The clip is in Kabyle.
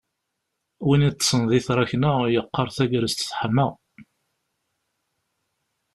Win yeṭṭsen di tṛakna yeqqar tagrest teḥma